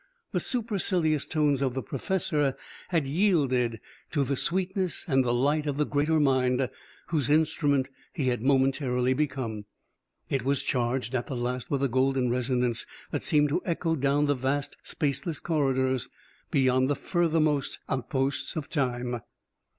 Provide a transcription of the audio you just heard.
The supercilious tones of the professor had yielded to the sweetness and the light of the Greater Mind whose instrument he had momentarily become. It was charged at the last with a golden resonance that seemed to echo down vast spaceless corridors beyond the furthermost outposts of time.